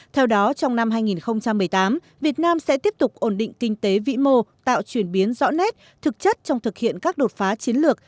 theo đó trong năm hai nghìn một mươi tám việt nam sẽ tiếp tục ổn định kinh tế vĩ mô tạo chuyển biến rõ nét thực chất trong thực hiện các đột phá chiến lược